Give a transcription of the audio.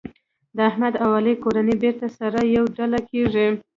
د احمد او علي کورنۍ بېرته سره یوه ډله کېږي.